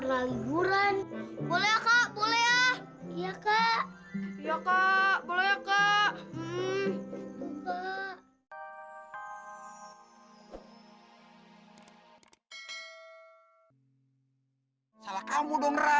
salah kamu dong ra